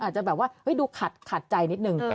อาจจะแบบว่าดูขัดใจนิดนึง